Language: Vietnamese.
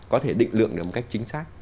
có thể định lượng được một cách chính xác